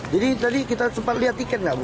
jadi tadi kita sempat lihat tiket nggak bu